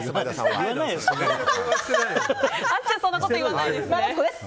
あっちゃんそんなこと言わないですよね。